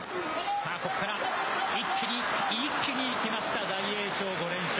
さあ、ここから一気に、一気に行きました、大栄翔、５連勝。